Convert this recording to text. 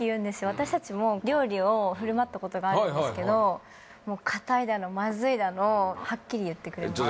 私達も料理を振る舞ったことがあるんですけどもう硬いだのまずいだのをハッキリ言ってくれます